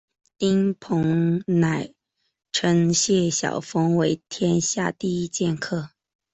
丁鹏仍称谢晓峰为天下第一剑客。